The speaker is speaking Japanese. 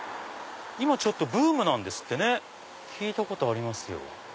今ブームなんですってね聞いたことありますよ。